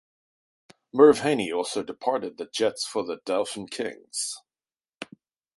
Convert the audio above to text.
Merv Haney also departed the Jets for the Dauphin Kings.